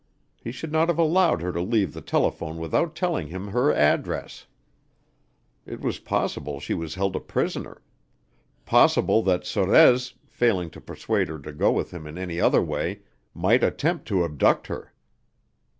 He should not have allowed her to leave the telephone without telling him her address. It was possible she was held a prisoner possible that Sorez, failing to persuade her to go with him in any other way, might attempt to abduct her.